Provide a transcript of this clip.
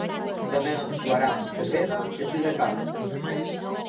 Tamén actuarán Cepeda e Sidecars.